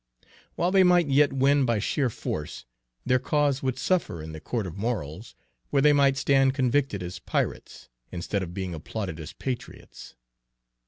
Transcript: While they might yet win by sheer force, their cause would suffer in the court of morals, where they might stand convicted as pirates, instead of being applauded as patriots.